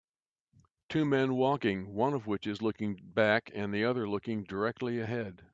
Two men walking one of which is looking back and the other looking directly ahead